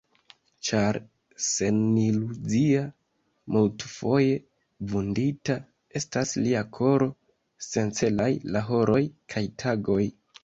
Ĉar seniluzia, multfoje vundita estas lia koro, sencelaj la horoj kaj tagoj.